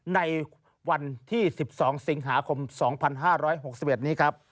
ในวันที่๑๒สิงหาคม๒๕๖๑นี้ครับ